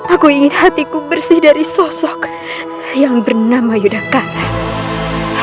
aku ingin hatiku bersih dari sosok yang bernama yudhakara